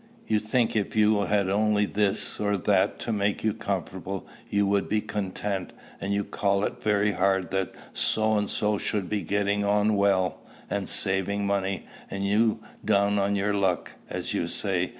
You think if you had only this or that to make you comfortable, you would be content; and you call it very hard that So and so should be getting on well, and saving money, and you down on your luck, as you say.